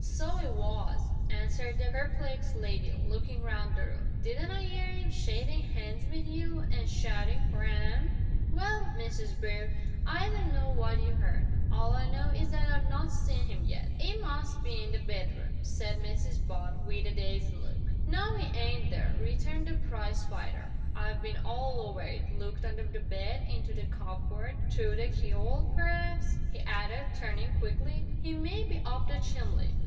"So 'e was," answered the perplexed lady, looking round the room; "didn't I 'ear 'im a shakin' 'ands wi' you, an' a shoutin' for 'am?" "Well, Mrs Brute, I dun know what you 'eard; all I know is that I've not seed 'im yet." "'E must be in the bedroom," said Mrs Butt, with a dazed look. "No 'e ain't there," returned the prize fighter; "I've bin all over it looked under the bed, into the cupboard, through the key'ole; p'r'aps," he added, turning quickly, "'e may be up the chimbly!"